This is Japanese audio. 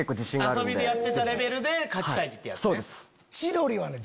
遊びでやってたレベルで勝ちたい。